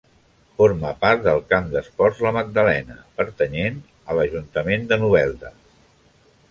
Forma part del Camp d'Esports La Magdalena, pertanyent a l'Ajuntament de Novelda.